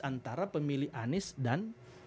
antara pemilih anies dan